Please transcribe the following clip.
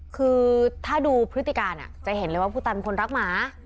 คือถ้าดูพฤติการจะเห็นเลยว่าผู้ตายเป็นคนรักหมา